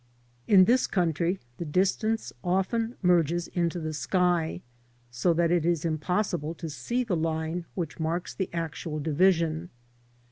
In this country the distance often merges into the sky, so that it is impossible to see the line which marks the actual division.